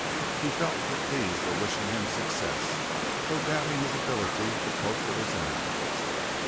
He felt that these were wishing him success, though doubting his ability to cope with his enemies.